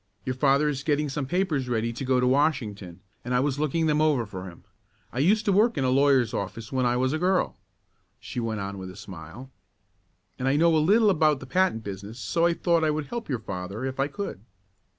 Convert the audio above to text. Your father is getting some papers ready to go to Washington, and I was looking them over for him. I used to work in a lawyer's office when I was a girl," she went on with a smile, "and I know a little about the patent business so I thought I would help your father if I could."